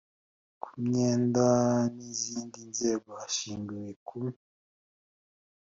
ku myenda n izindi nzego hashingiwe ku